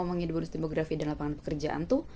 ngomongin bonus demografi dan lapangan pekerjaan itu